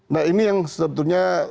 nah ini yang sebetulnya